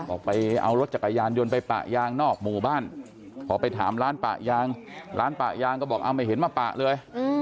ออกไปเอารถจักรยานยนต์ไปปะยางนอกหมู่บ้านพอไปถามร้านปะยางร้านปะยางก็บอกไม่เห็นมาปะเลย